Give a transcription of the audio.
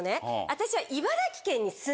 私は。